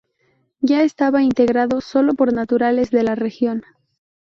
Ya estaba integrado sólo por naturales de la región.